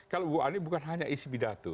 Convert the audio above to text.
kalau bu ani bukan hanya isi pidato